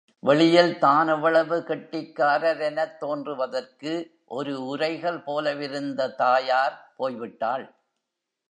வெளியில் தான் எவ்வளவு கெட்டிக்காரரெனத் தோன்றுவதற்கு ஒரு உரைகல் போலவிருந்த தாயார் போய்விட்டாள்.